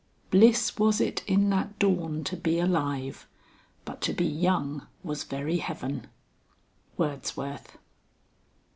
"Bliss was it in that dawn to be alive, But to be young was very heaven." WORDSWORTH.